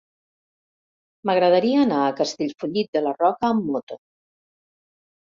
M'agradaria anar a Castellfollit de la Roca amb moto.